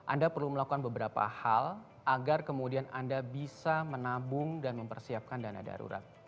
anda perlu melakukan beberapa hal agar kemudian anda bisa menabung dan mempersiapkan dana darurat